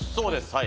はい